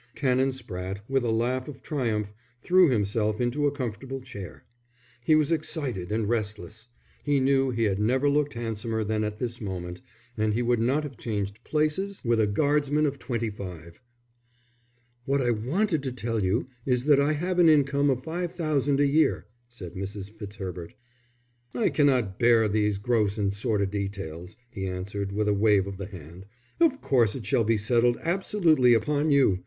Canon Spratte, with a laugh of triumph, threw himself into a comfortable chair. He was excited and restless. He knew he had never looked handsomer than at this moment, and he would not have changed places with a guardsman of twenty five. "What I wanted to tell you is that I have an income of five thousand a year," said Mrs. Fitzherbert. "I cannot bear these gross and sordid details," he answered, with a wave of the hand. "Of course it shall be settled absolutely upon you.